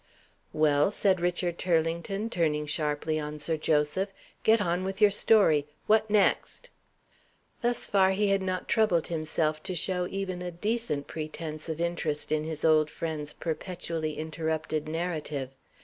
"Well?" said Richard Turlington, turning sharply on Sir Joseph. "Get on with your story. What next?" Thus far he had not troubled himself to show even a decent pretense of interest in his old friend's perpetually interrupted narrative.